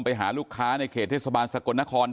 ไปหาลูกค้าในเขตเทศบาลสกลนคร